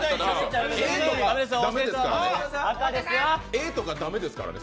えっとか駄目ですからね。